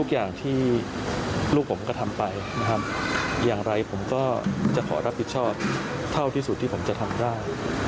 อย่างไรผมก็จะขอรับผิดชอบเท่าที่สุดที่ผมจะทำได้